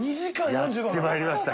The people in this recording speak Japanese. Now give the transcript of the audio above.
やって参りました